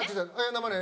「生ね」